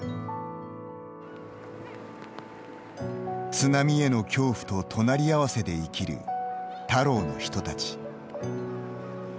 津波への恐怖と、隣り合わせで生きる田老の人たち。